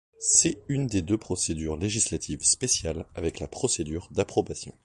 C'est une des deux procédures législatives spéciale, avec la procédure d'approbation.